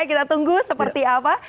kita tunggu seperti apa